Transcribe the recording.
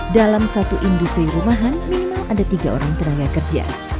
dalam satu industri rumahan minimal ada tiga orang tenaga kerja